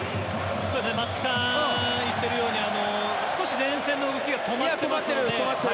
松木さんが言っているように少し前線の動きが止まっていますよね。